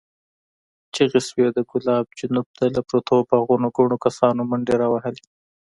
چيغې شوې، د کلا جنوب ته له پرتو باغونو ګڼو کسانو منډې را وهلې.